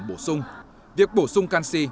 bổ sung việc bổ sung canxi